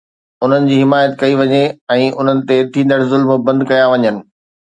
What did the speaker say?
انهن جي حمايت ڪئي وڃي ۽ انهن تي ٿيندڙ ظلم بند ڪيا وڃن.